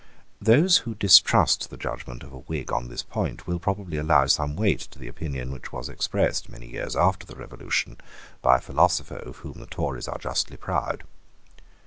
Those who distrust the judgment of a Whig on this point will probably allow some weight to the opinion which was expressed, many years after the Revolution, by a philosopher of whom the Tories are justly proud.